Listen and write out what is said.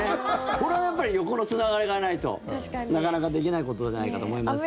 これはやっぱり横のつながりがないとなかなかできないことじゃないかと思いますけども。